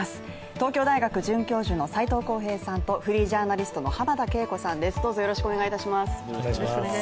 東京大学准教授の斎藤幸平さんとフリージャーナリストの浜田敬子さんです。